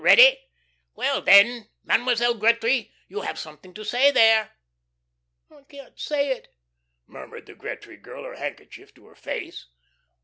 Ready. Well then, Mademoiselle Gretry, you have something to say there." "I can't say it," murmured the Gretry girl, her handkerchief to her face.